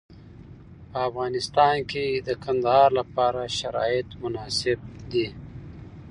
په افغانستان کې د کندهار لپاره شرایط مناسب دي.